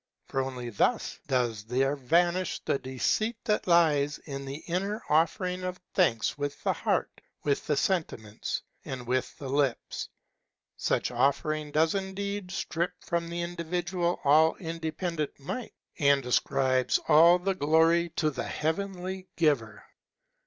For only thus does there vanish the deceit that lies in the inner offering of thanks with the heart, with the sentiments, with the lips. Such offering does indeed strip from the individual all independent might, and ascribes all the glory to the heavenly Giver.